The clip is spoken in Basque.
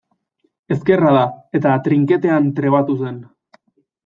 Ezkerra da, eta trinketean trebatu zen.